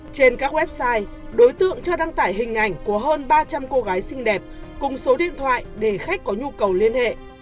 trên các website đối tượng chưa đăng tải hình ảnh của hơn ba trăm linh cô gái xinh đẹp cùng số điện thoại để khách có nhu cầu liên hệ